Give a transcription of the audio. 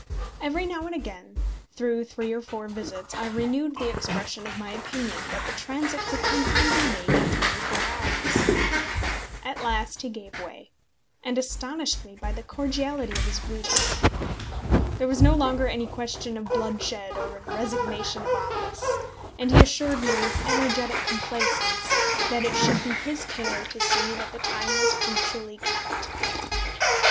Every now and again, through three or four visits, I renewed the expression of my opinion that the transit could easily be made in twenty four hours. At last he gave way, and astonished me by the cordiality of his greeting. There was no longer any question of bloodshed or of resignation of office, and he assured me, with energetic complaisance, that it should be his care to see that the time was punctually kept.